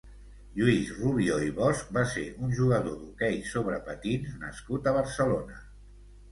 Lluís Rubió i Bosch va ser un jugador d'hoquei sobre patins nascut a Barcelona.